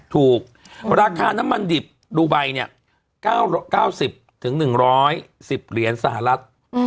ถูกราคาน้ำมันดิบดูไบเนี่ย๙๐๑๑๐เหรียญสหรัฐ